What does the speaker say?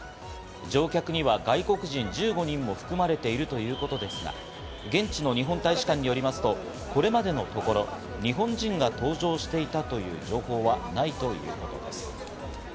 乗客には外国人１５人も含まれているということですが、現地の日本大使館によりますと、これまでのところ日本人が搭乗していたという情報はないということです。